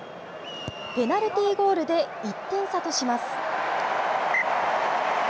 ペナルティゴールで１点差とします。